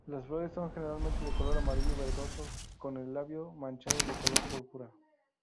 Las flores son generalmente de color amarillo-verdoso, con el labio manchado de color púrpura.